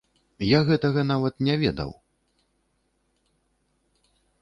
Я гэтага нават не ведаў!